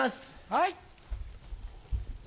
はい！